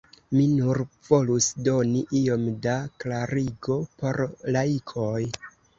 Mi nur volus doni iom da klarigo por laikoj.